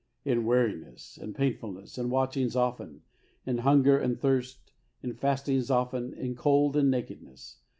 " In weariness and painfulness, in watchings often, in hunger and thirst, in fastings often, in cold and nakedness.